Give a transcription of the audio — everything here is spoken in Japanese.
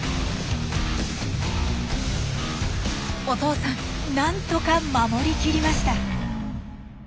お父さんなんとか守りきりました。